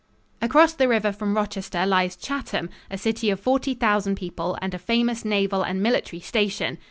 Across the river from Rochester lies Chatham, a city of forty thousand people and a famous naval and military station.